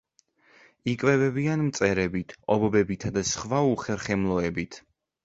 იკვებებიან მწერებით, ობობებითა და სხვა უხერხემლოებით.